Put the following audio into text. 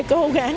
con còn chán